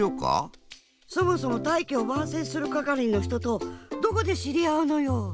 そもそも大器を晩成するかかりのひととどこでしりあうのよ。